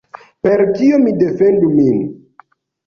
Per kio mi defendu min?